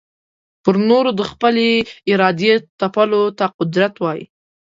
پر نورو د خپلي ارادې تپلو ته قدرت وايې.